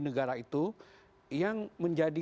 negara itu yang menjadi